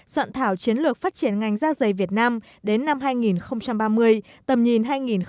soạn thảo chiến lược phát triển ngành da dày việt nam đến năm hai nghìn ba mươi tầm nhìn hai nghìn bốn mươi năm